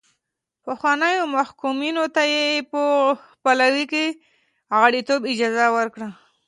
پخوانیو محکومینو ته یې په پلاوي کې غړیتوب اجازه ورکړه.